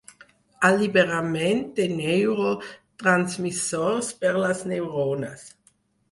Alliberament de neurotransmissors per les neurones.